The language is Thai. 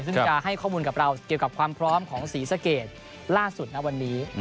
ซึ่งจะให้ข้อมูลกับเราเกี่ยวกับความพร้อมของศรีสะเกดล่าสุดนะวันนี้